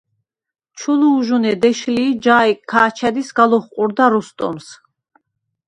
ჩუ ლუვჟუნე დეშ ლი ი ჯაი̄ ქა̄ჩა̈დ ი სგა ლოხყურდა როსტომს.